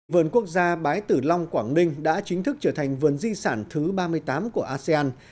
vườn quốc gia bái tử long quảng ninh đã chính thức trở thành vườn di sản thứ ba mươi tám của asean